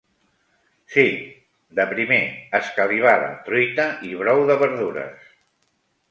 Sí, de primer, escalivada, truita i brou de verdures.